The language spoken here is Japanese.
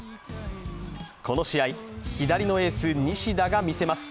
この試合、左のエース・西田が見せます。